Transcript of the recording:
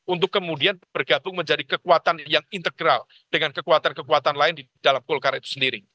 untuk kemudian bergabung menjadi kekuatan yang integral dengan kekuatan kekuatan lain di dalam golkar itu sendiri